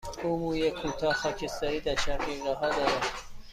او موی کوتاه، خاکستری در شقیقه ها دارد.